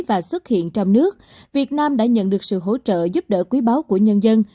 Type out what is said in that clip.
và xuất hiện trong nước việt nam đã nhận được sự hỗ trợ giúp đỡ quý báo của nhân dân